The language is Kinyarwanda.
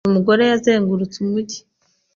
Uyu mugore yazengurutse umujyi,